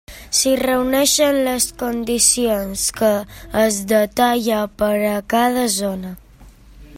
Si reuneixen les condicions que es detalla per a cada zona.